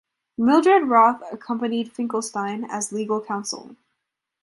Mildred Roth accompanied Finkelstein as legal counsel.